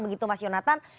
begitu mas yonatan